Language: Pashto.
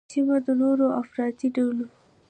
سیمه د نوو افراطي ډلو